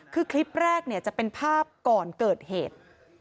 คือคลิปแรกจะเป็นภาพก่อนเกิดเหตุ